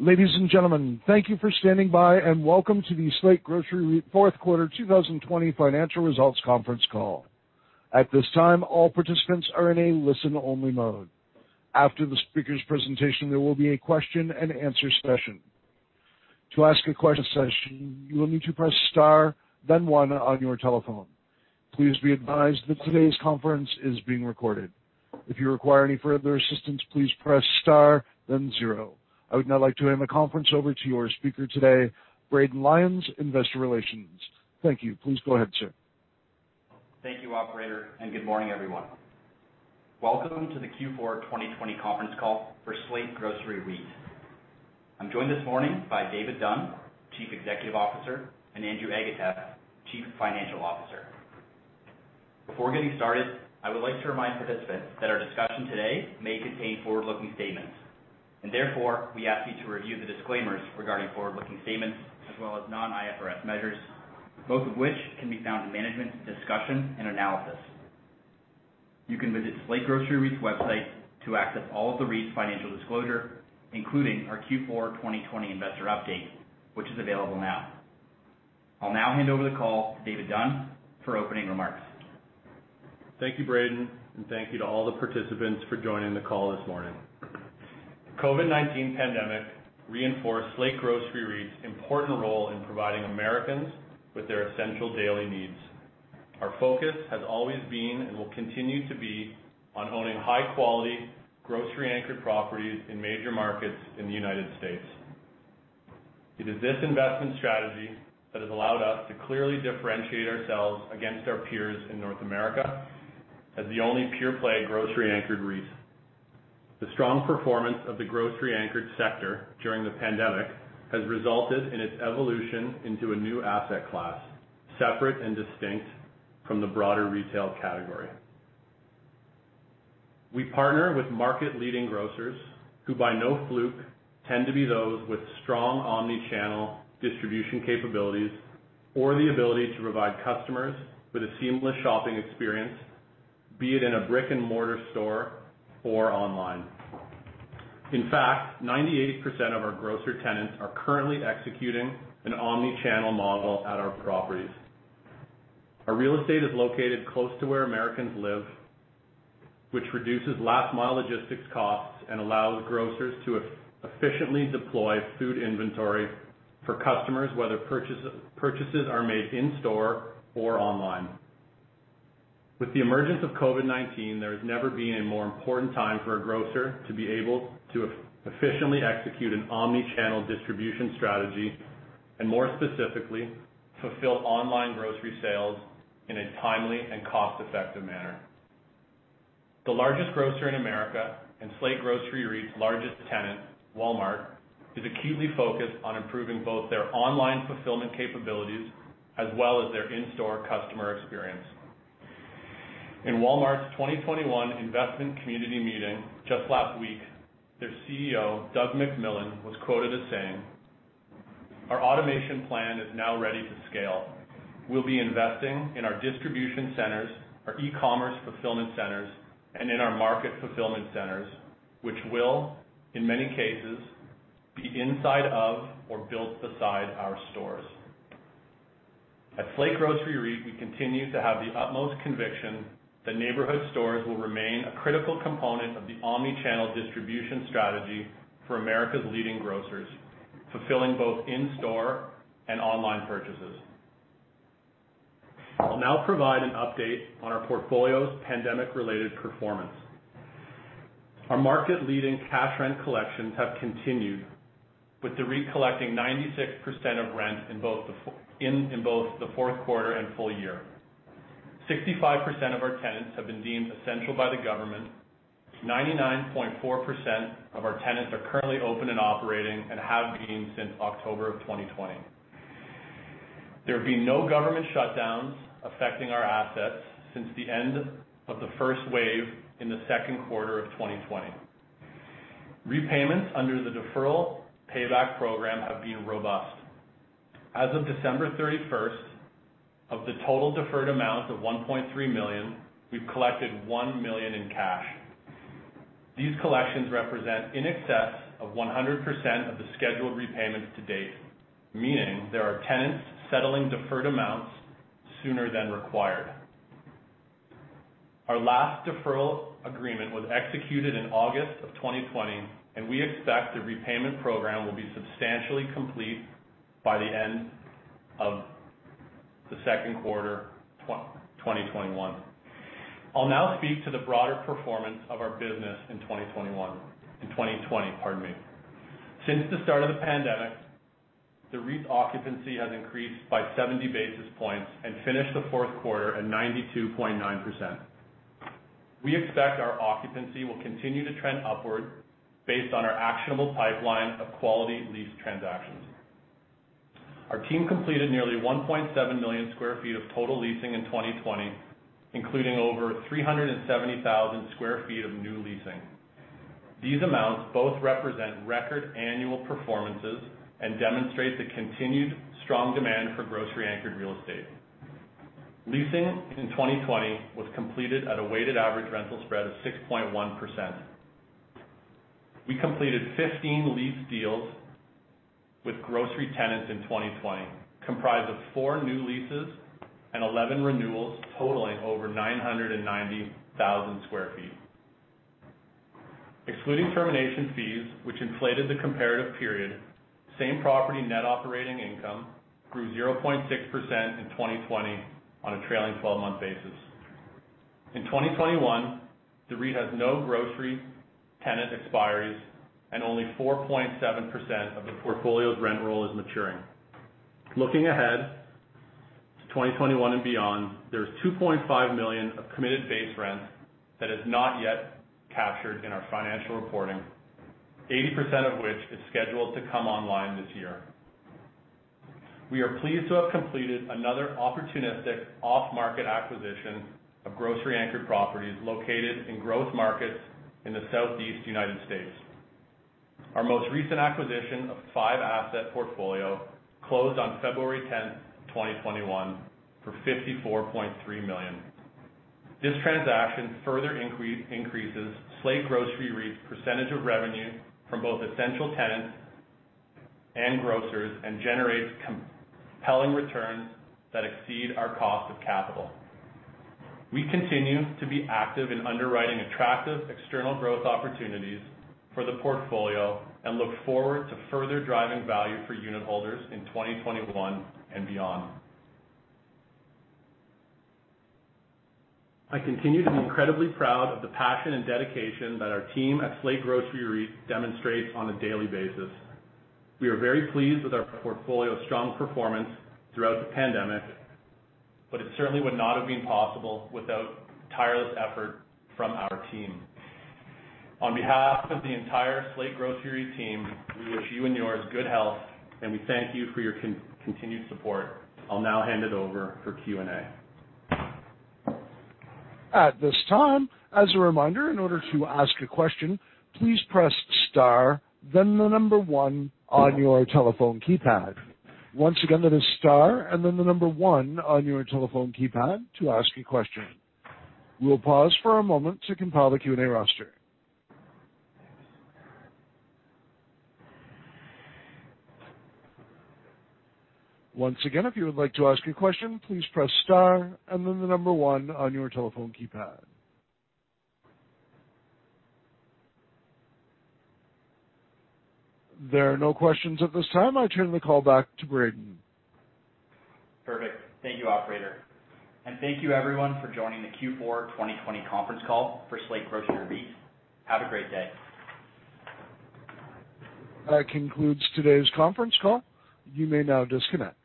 Ladies and gentlemen, thank you for standing by, and welcome to the Slate Grocery REIT Q4 2020 Financial Results Conference Call. I would now like to hand the conference over to your speaker today, Braden Lyons, Investor Relations. Thank you. Please go ahead, sir. Thank you operator. Good morning, everyone. Welcome to the Q4 2020 conference call for Slate Grocery REIT. I'm joined this morning by David Dunn, Chief Executive Officer, and Andrew Agatep, Chief Financial Officer. Before getting started, I would like to remind participants that our discussion today may contain forward-looking statements, and therefore, we ask you to review the disclaimers regarding forward-looking statements as well as non-IFRS measures, both of which can be found in Management's Discussion and Analysis. You can visit Slate Grocery REIT's website to access all of the REIT's financial disclosure, including our Q4 2020 investor update, which is available now. I'll now hand over the call to David Dunn for opening remarks. Thank you, Braden, and thank you to all the participants for joining the call this morning. The COVID-19 pandemic reinforced Slate Grocery REIT's important role in providing Americans with their essential daily needs. Our focus has always been, and will continue to be, on owning high quality grocery-anchored properties in major markets in the United States. It is this investment strategy that has allowed us to clearly differentiate ourselves against our peers in North America as the only pure play grocery-anchored REIT. The strong performance of the grocery-anchored sector during the pandemic has resulted in its evolution into a new asset class, separate and distinct from the broader retail category. We partner with market leading grocers, who by no fluke, tend to be those with strong omnichannel distribution capabilities or the ability to provide customers with a seamless shopping experience, be it in a brick and mortar store or online. In fact, 98% of our grocer tenants are currently executing an omnichannel model at our properties. Our real estate is located close to where Americans live, which reduces last mile logistics costs and allows grocers to efficiently deploy food inventory for customers, whether purchases are made in store or online. With the emergence of COVID-19, there has never been a more important time for a grocer to be able to efficiently execute an omnichannel distribution strategy, and more specifically, fulfill online grocery sales in a timely and cost effective manner. The largest grocer in America and Slate Grocery REIT's largest tenant, Walmart, is acutely focused on improving both their online fulfillment capabilities as well as their in-store customer experience. In Walmart's 2021 investment community meeting just last week, their CEO, Doug McMillon, was quoted as saying, "Our automation plan is now ready to scale. We'll be investing in our distribution centers, our e-commerce fulfillment centers, and in our market fulfillment centers, which will, in many cases, be inside of or built beside our stores." At Slate Grocery REIT, we continue to have the utmost conviction that neighborhood stores will remain a critical component of the omnichannel distribution strategy for America's leading grocers, fulfilling both in-store and online purchases. I'll now provide an update on our portfolio's pandemic related performance. Our market leading cash rent collections have continued, with the REIT collecting 96% of rent in both the fourth quarter and full year. 65% of our tenants have been deemed essential by the government. 99.4% of our tenants are currently open and operating and have been since October of 2020. There have been no government shutdowns affecting our assets since the end of the first wave in the second quarter of 2020. Repayments under the deferral payback program have been robust. As of December 31st, of the total deferred amount of $1.3 million, we've collected $1 million in cash. These collections represent in excess of 100% of the scheduled repayments to date, meaning there are tenants settling deferred amounts sooner than required. Our last deferral agreement was executed in August of 2020, and we expect the repayment program will be substantially complete by the end of the second quarter 2021. I'll now speak to the broader performance of our business in 2021 in 2020, pardon me. Since the start of the pandemic, the REIT's occupancy has increased by 70 basis points and finished the fourth quarter at 92.9%. We expect our occupancy will continue to trend upward based on our actionable pipeline of quality lease transactions. Our team completed nearly 1.7 million square feet of total leasing in 2020, including over 370,000 square feet of new leasing. These amounts both represent record annual performances and demonstrate the continued strong demand for grocery anchored real estate. Leasing in 2020 was completed at a weighted average rental spread of 6.1%. We completed 15 lease deals with grocery tenants in 2020, comprised of four new leases and 11 renewals, totaling over 990,000 square feet. Excluding termination fees, which inflated the comparative period, same-property net operating income grew 0.6% in 2020 on a trailing 12-month basis. In 2021, the REIT has no grocery tenant expiries and only 4.7% of the portfolio's rent roll is maturing. Looking ahead to 2021 and beyond, there is $2.5 million of committed base rent that is not yet captured in our financial reporting, 80% of which is scheduled to come online this year. We are pleased to have completed another opportunistic off-market acquisition of grocery anchored properties located in growth markets in the southeast U.S. Our most recent acquisition of a five-asset portfolio closed on February 10th, 2021 for $54.3 million. This transaction further increases Slate Grocery REIT's percentage of revenue from both essential tenants and grocers and generates compelling returns that exceed our cost of capital. We continue to be active in underwriting attractive external growth opportunities for the portfolio and look forward to further driving value for unitholders in 2021 and beyond. I continue to be incredibly proud of the passion and dedication that our team at Slate Grocery REIT demonstrates on a daily basis. We are very pleased with our portfolio's strong performance throughout the pandemic. It certainly would not have been possible without the tireless effort from our team. On behalf of the entire Slate Grocery team, we wish you and yours good health, and we thank you for your continued support. I'll now hand it over for Q&A. At this time, as a reminder, in order to ask a question, please press star then the number one on your telephone keypad. Once again, that is star and then the number one on your telephone keypad to ask a question. We'll pause for a moment to compile the Q&A roster. Once again, if you would like to ask a question, please press star and then the number one on your telephone keypad. There are no questions at this time. I turn the call back to Braden. Perfect. Thank you, operator. Thank you everyone for joining the Q4 2020 conference call for Slate Grocery REIT. Have a great day. That concludes today's conference call. You may now disconnect.